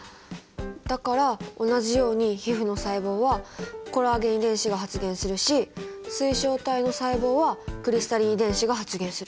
だから同じように皮膚の細胞はコラーゲン遺伝子が発現するし水晶体の細胞はクリスタリン遺伝子が発現する。